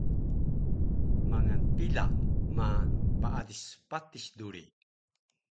mangal pila ma paadis patis duri